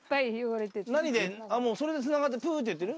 何でもうそれでつながってプーっていってる？